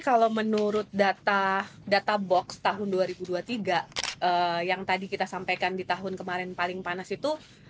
kalau menurut data box tahun dua ribu dua puluh tiga yang tadi kita sampaikan di tahun kemarin paling panas itu